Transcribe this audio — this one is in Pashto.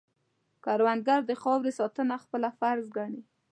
کروندګر د خاورې ساتنه خپله فرض ګڼي